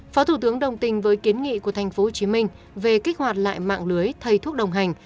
phó thủ tướng đồng tình với kiến nghị của tp hcm về kích hoạt lại mạng lưới thầy thuốc đồng hành